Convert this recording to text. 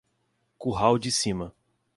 Curral de Cima